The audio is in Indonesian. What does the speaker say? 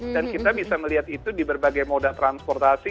dan kita bisa melihat itu di berbagai moda transportasi